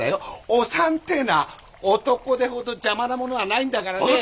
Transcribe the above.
お産っていうのは男手ほど邪魔なものはないんだからね。